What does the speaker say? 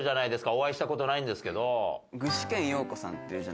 お会いした事ないんですけど。